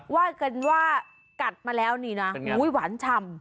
ว่ากันว่ากัดมาแล้วนี่นะหวานชำ